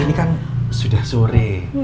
ini kan sudah sore